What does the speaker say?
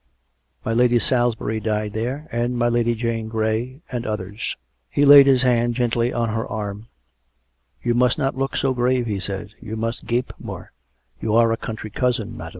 Mj Lady Salisbury died there, and my Lady Jane Grey, and others." He laid his hand gently on her arm. " You must not look so grave," he said, " you must gape more. You are a country cousin, madam." COME RACK!